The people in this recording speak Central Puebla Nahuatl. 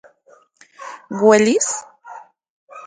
¿Uelis...?